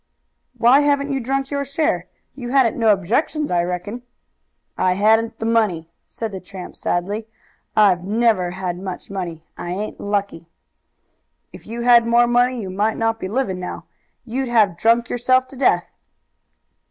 "Why haven't you drunk your share? You hadn't no objections, I reckon?" "I hadn't the money," said the tramp sadly. "I've never had much money. I ain't lucky." "If you had more money, you might not be living now. You'd have drunk yourself to death."